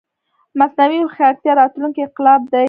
مصنوعي هوښيارتيا راتلونکې انقلاب دی